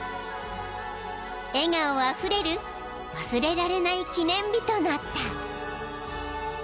［笑顔あふれる忘れられない記念日となった］